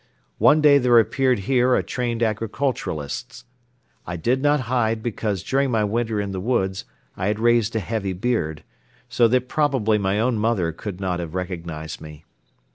One day there appeared here a trained agriculturalist. I did not hide because during my winter in the woods I had raised a heavy beard, so that probably my own mother could not have recognized me.